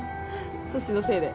年のせいで。